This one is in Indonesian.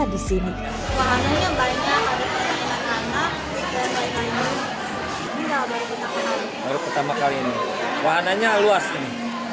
di sini wahannya banyak anak anak kita yang lainnya ini baru pertama kali ini wahannya luas ini